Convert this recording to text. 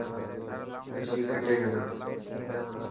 رشي کٽي گيو.